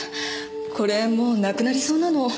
これもうなくなりそうなの。